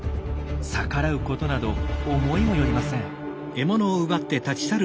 逆らうことなど思いもよりません。